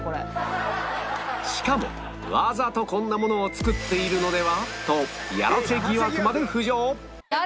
しかもわざとこんなものを作っているのでは？とヤラセ疑惑まで浮上